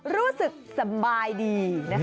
รู้สึกสบายดี